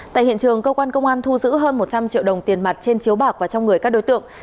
tại hiện trường cơ quan công an thu giữ hơn một trăm linh triệu đồng tiền mặt trên chiếu bạc và trong người các đối tượng